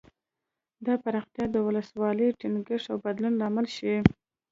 دا پراختیا د ولسواکۍ ټینګښت او بدلون لامل شي.